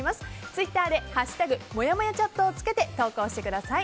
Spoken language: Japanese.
ツイッターで「＃もやもやチャット」をつけて投稿してください。